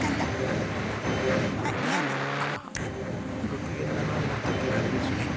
ご機嫌斜めの時はあれですね。